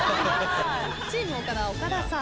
チーム岡田岡田さん。